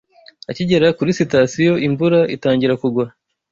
Akigera kuri sitasiyo, imvura itangira kugwa.